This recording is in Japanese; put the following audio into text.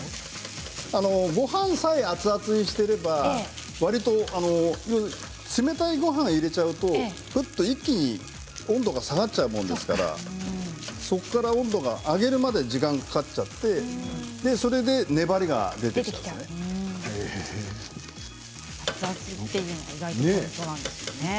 ごはんさえ熱々にしてればわりと冷たいごはんを入れちゃうと一気に温度が下がってしまうものですからそこから温度を上げるまでに時間がかかっちゃってそれで粘りが出てきてしまうんです。